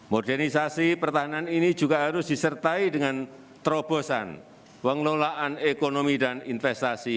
modernisasi pertahanan ini juga harus disertai dengan terobosan pengelolaan ekonomi dan investasi